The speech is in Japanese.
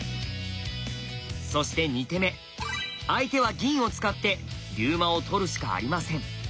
そして２手目相手は銀を使って龍馬を取るしかありません。